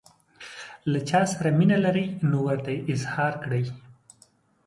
له چا سره مینه لرئ نو ورته یې اظهار کړئ.